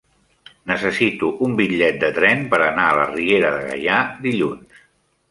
Necessito un bitllet de tren per anar a la Riera de Gaià dilluns.